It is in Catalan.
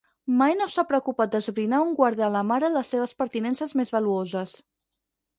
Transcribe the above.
Mai no s'ha preocupat d'esbrinar on guarda la mare les seves pertinences més valuoses.